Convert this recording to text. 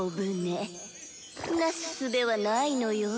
なすすべはないのよ。